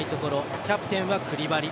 キャプテンはクリバリ。